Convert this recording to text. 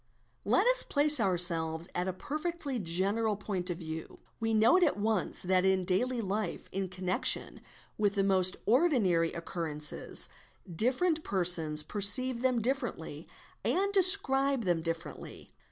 : Let us place ourselves at a perfectly general point of view. We note at once that in daily life in connection with the most ordinary occur yences, different persons perceive them differently and describe them ' differently.